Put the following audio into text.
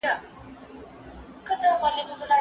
آیا له نشه يي توکو څخه ځان ساتل واجب دي؟